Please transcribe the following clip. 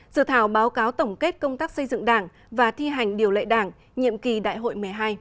dự thảo báo cáo tổng kết công tác xây dựng đảng và thi hành điều lệ đảng nhiệm kỳ đại hội một mươi hai